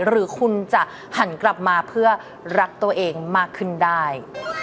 หรือคุณจะหันกลับมาเพื่อรักตัวเองมากขึ้นได้